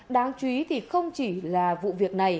đáng chú ý thì không chỉ là vụ việc này